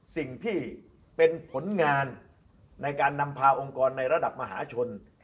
สิ่งที่เป็นผลงานในการนำพาองค์กรในระดับมหาชน